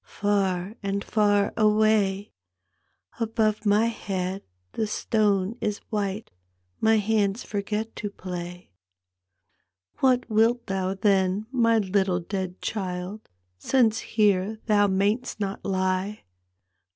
Far and far away/ Above my head the stone is white. My hands forget to play. " What wilt thou then, my little dead child, Since here thou may'st not lie?